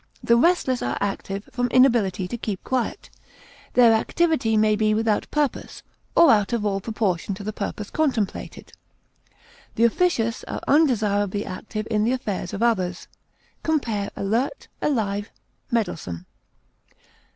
The restless are active from inability to keep quiet; their activity may be without purpose, or out of all proportion to the purpose contemplated. The officious are undesirably active in the affairs of others. Compare ALERT; ALIVE; MEDDLESOME.